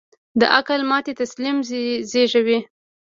د عقل ماتې تسلیم زېږوي.